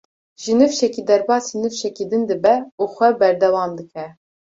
Ji nifşekî derbasî nifşekî din dibe û xwe berdewam dike.